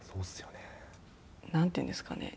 なんて言うんですかね